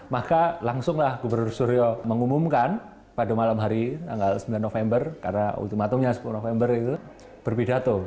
maka langsunglah gubernur suryo mengumumkan pada malam hari tanggal sembilan november karena ultimatumnya sepuluh november itu berpidato